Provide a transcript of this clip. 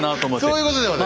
そういうことではない。